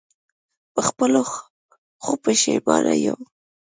په خپلو ښو پښېمانه یم.